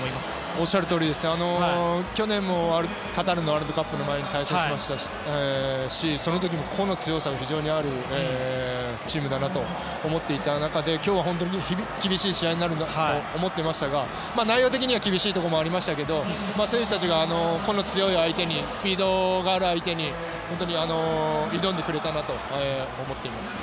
おっしゃるとおりで去年もカタールワールドカップの前に対戦していましたがその時も個の強さが非常にあるチームだなと思っていた中で今日は厳しい試合になるだろうと思っていましたが内容的には厳しいところもありましたが選手たちが個の強い相手にスピードがある相手に挑んでくれたと思っています。